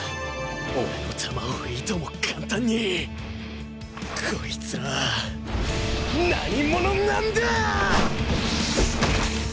俺の球をいとも簡単にこいつら何者なんだぁぁぁっ！